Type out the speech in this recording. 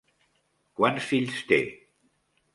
Quants fills té?